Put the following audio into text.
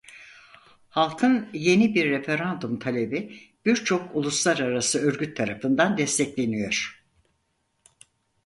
Halkın yeni bir referandum talebi birçok uluslararası örgüt tarafından destekleniyor.